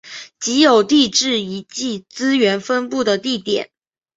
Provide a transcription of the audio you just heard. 即有地质遗迹资源分布的地点。